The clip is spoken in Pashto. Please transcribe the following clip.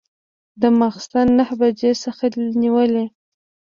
د ماخوستن نهه بجو څخه نیولې.